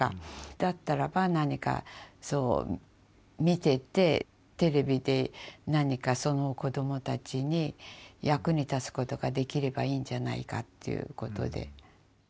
だったらば何か見ててテレビで何かそのこどもたちに役に立つことができればいいんじゃないかっていうことで。